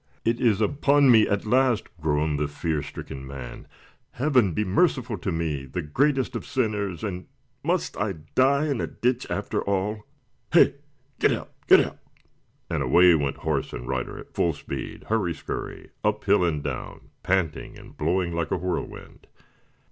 "It is upon me at last!" groaned the fear stricken man. "Heaven be merciful to me, the greatest of sinners! And must I die in a ditch, after all? He! get up! get up!" And away went horse and rider at full speed hurry scurry up hill and down panting and blowing like a whirlwind.